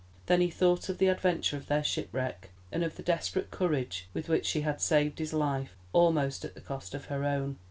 Then he thought of the adventure of their shipwreck, and of the desperate courage with which she had saved his life, almost at the cost of her own.